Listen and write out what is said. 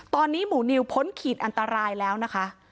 ตอนนี้หมูนิวพ้นขีดอันตรายแล้วนะคะ